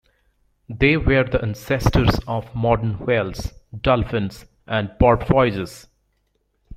They were the ancestors of modern whales, dolphins, and porpoises.